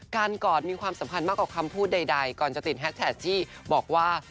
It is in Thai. การกอดมีความสำคัญมากกว่าคำพูดใดก่อนจะติดแฮ็กแท็กท์ที่บอกว่า